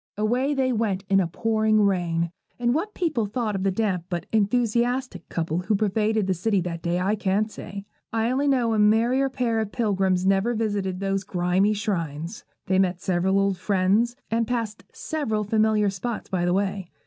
Away they went in a pouring rain, and what people thought of the damp but enthusiastic couple who pervaded the city that day I can't say; I only know a merrier pair of pilgrims never visited those grimy shrines. They met several old friends, and passed several familiar spots by the way.